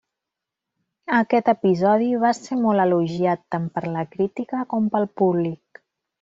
Aquest episodi va ser molt elogiat tant per la crítica com pel públic.